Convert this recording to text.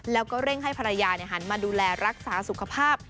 แล้วก็เร่งให้ภรรยาหันมาดูแลรักษาสุขภาพ